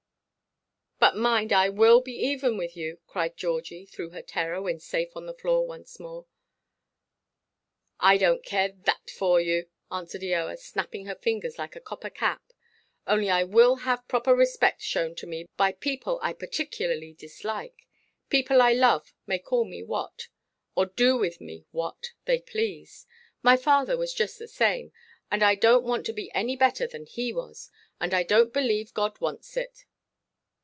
"But mind, I will be even with you," cried Georgie, through her terror, when safe on the floor once more. "I donʼt care that for you," answered Eoa, snapping her fingers like a copper–cap; "only I will have proper respect shown to me by people I particularly dislike. People I love may call me what, or do with me what, they please. My father was just the same; and I donʼt want to be any better than he was; and I donʼt believe God wants it."